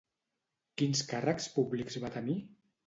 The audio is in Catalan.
Quins càrrecs públics va tenir?